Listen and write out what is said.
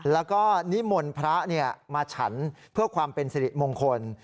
แล้วก็นิมนต์พระมาฉันเพื่อความเป็นสิริมงคล